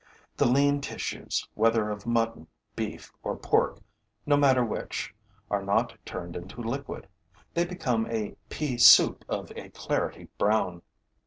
The lean tissues, whether of mutton, beef or pork, no matter which, are not turned into liquid; they become a pea soup of a clarety brown.